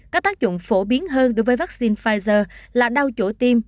các tác dụng phổ biến hơn đối với vaccine pfizer là đau chỗ tim